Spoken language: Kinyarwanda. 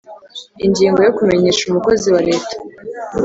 Ingingo yo Kumenyesha umukozi wa Leta